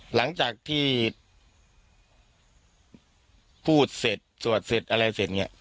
หลังจากที่พูดเสร็จสวดเสร็จอะไรเสร็จเนี่ย